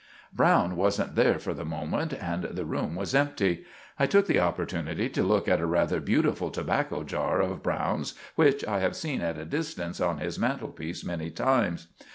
Browne wasn't there for the moment, and the room was empty. I took the opportunity to look at a rather butiful tobacco jar of Browne's which I have seen at a distance on his mantlepiece many times.